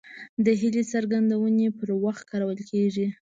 د هیلې څرګندونې پر وخت کارول کیږي.